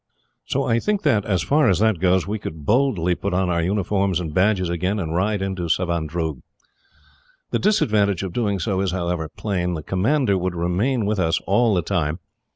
"So I think that, as far as that goes, we could boldly put on our uniforms and badges again, and ride into Savandroog. The disadvantage of doing so is, however, plain. The commander would remain with us all the time.